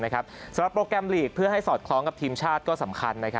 โปรแกรมลีกเพื่อให้สอดคล้องกับทีมชาติก็สำคัญ